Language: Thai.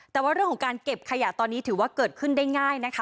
แต่ว่าเรื่องของการเก็บขยะตอนนี้ถือว่าเกิดขึ้นได้ง่ายนะคะ